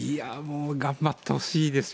頑張ってほしいですね。